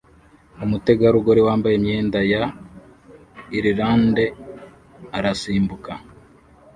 Umutegarugori wambaye imyenda ya Irlande arasimbuka